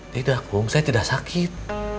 tidak kum saya tidak sakit